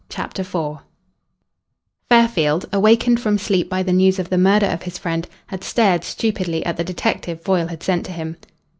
CHAPTER IV Fairfield, awakened from sleep by the news of the murder of his friend, had stared stupidly at the detective Foyle had sent to him.